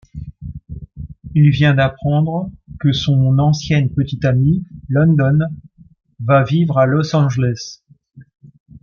Il vient d'apprendre que son ancienne petite-amie, London, va vivre à Los Angeles.